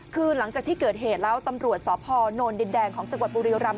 คือหลังจากที่เกิดเหตุแล้วตำรวจสพนดินแดงของจังหวัดบุรีรำ